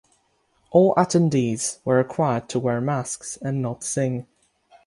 All attendees were required to wear masks and not sing.